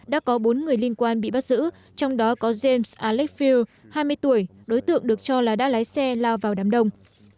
đã có bốn người liên quan bị bắt giữ trong đó có james alex fill hai mươi tuổi đối tượng được cho là đã lái xe lao vào đám đông